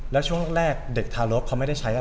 แล้วช่วงแรกเด็กทารกเขาไม่ได้ใช้อะไร